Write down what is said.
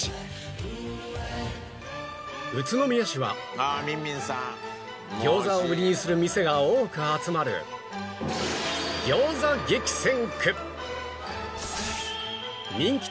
宇都宮市は餃子を売りにする店が多く集まる餃子激戦区